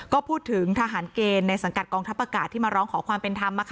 ก็พูดถึงทหารเกณฑ์ในสังกัดกองทัพอากาศที่มาร้องขอความเป็นธรรม